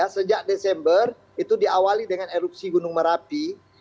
sejak desember itu diawali dengan erupsi gunung merapi